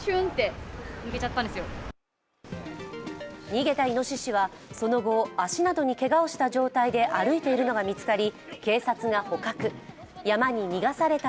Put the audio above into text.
逃げたいのししはその後足などにけがをした状態で歩いているのが見つかり